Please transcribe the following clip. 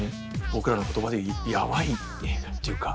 僕らの言葉でやばいっていうか。